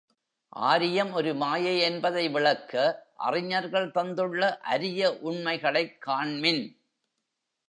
ஆரியம் ஒரு மாயை என்பதை விளக்க அறிஞர்கள் தந்துள்ள அரிய உண்மைகளைக் காண்மின்!